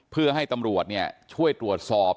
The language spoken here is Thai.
เพื่อให้ตำรวจช่วยตรวจสอบ